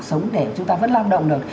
sống để chúng ta vẫn lao động được